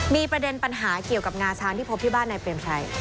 มีประเด็นปัญหาเกี่ยวกับงาช้างที่พบที่บ้านนายเปรมชัย